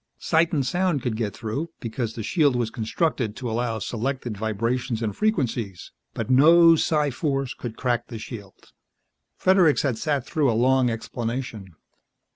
Sight and sound could get through, because the shield was constructed to allow selected vibrations and frequencies. But no psi force could crack the shield. Fredericks has sat through a long explanation.